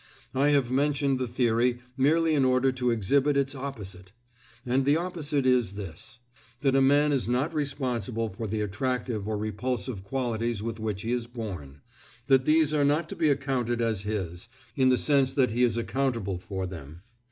I have mentioned the theory merely in order to exhibit its opposite. And the opposite is this: that a man is not responsible for the attractive or repulsive qualities with which he is born; that these are not to be accounted as his, in the sense that he is accountable for them.